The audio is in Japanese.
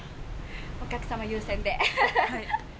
お客様優先で。